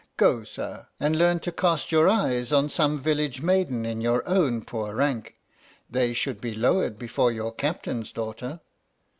Go, sir, and learn to cast your eyes on some village maiden in your own poor rank — they should be lowered before your Captain's daughter!"